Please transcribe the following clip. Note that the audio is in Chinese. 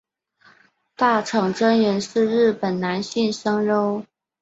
大场真人是日本男性声优。